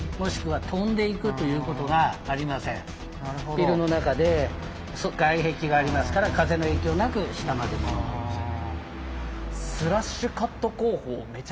ビルの中で外壁がありますから風の影響なく下まで物が下ろせる。